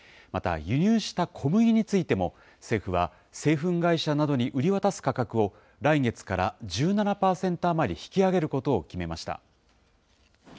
また、輸入した小麦についても政府は製粉会社などに売り渡す価格を、来月から１７％余り引き上げることを決めました。